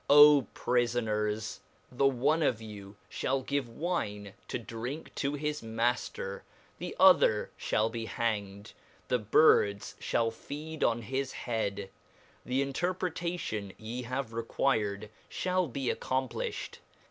O prifonersl the one of you (liall give wine to drink to his Mailer, the other fhall be hanged, the birds fhall feed on his head, the interpretation that ye have required fhall be accomplifhed.